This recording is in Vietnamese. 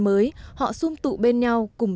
mới họ xung tụ bên nhau cùng